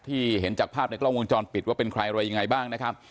เห็นจากภาพในกล้องวงจรปิดว่าเป็นใครอะไรยังไงบ้างนะครับ